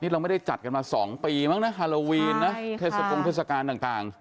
เราไม่ได้จัดกันมา๒ปีมั้งนะฮาโลวีนนะเทศกงเทศกาลต่าง